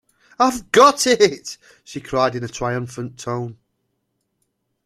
‘I’ve got it!’ she cried in a triumphant tone.